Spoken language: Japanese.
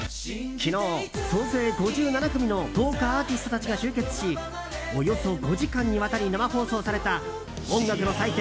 昨日、総勢５７組の豪華アーティストたちが集結しおよそ５時間にわたり生放送された音楽の祭典